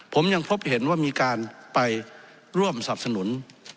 ผมยังพบเห็นว่ามีการไปร่วมสนับสนุน